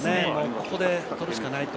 ここで取るしかないと。